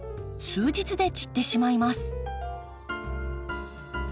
数日で散ってしまいます。